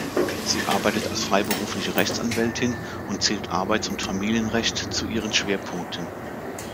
Sie arbeitet als freiberufliche Rechtsanwältin und zählt Arbeits- und Familienrecht zu ihren Schwerpunkten.